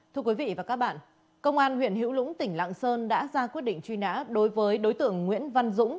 thưa quý vị và các bạn công an huyện hữu lũng tỉnh lạng sơn đã ra quyết định truy nã đối với đối tượng nguyễn văn dũng